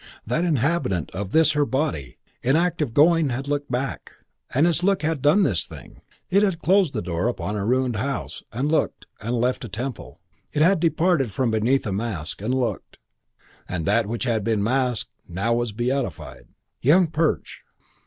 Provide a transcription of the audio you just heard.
That inhabitant of this her body, in act of going had looked back, and its look had done this thing. It had closed the door upon a ruined house, and looked, and left a temple. It had departed from beneath a mask, and looked, and that which had been masked now was beatified. Young Perch!